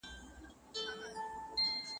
چې د مغول له اوره نهشو وتی